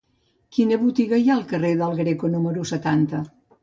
Quina botiga hi ha al carrer del Greco número setanta?